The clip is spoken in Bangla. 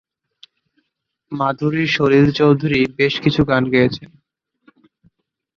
মাধুরী সলিল চৌধুরীর বেশ কিছু গান গেয়েছেন।